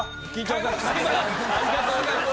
ありがとうございます。